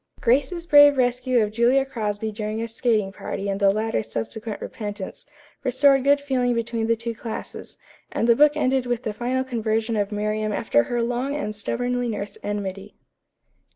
Grace's brave rescue of Julia Crosby during a skating party and the latter's subsequent repentance restored good feeling between the two classes, and the book ended with the final conversion of Miriam after her long and stubbornly nursed enmity.